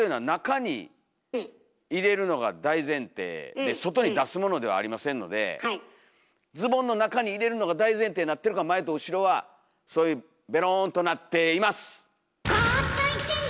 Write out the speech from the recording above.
えと外に出すものではありませんのでズボンの中に入れるのが大前提になってるから前と後ろはそういうベロンとなっています！